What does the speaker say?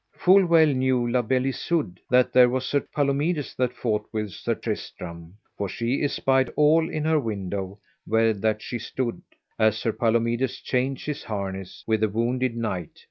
Full well knew La Beale Isoud that there was Sir Palomides that fought with Sir Tristram, for she espied all in her window where that she stood, as Sir Palomides changed his harness with the wounded knight.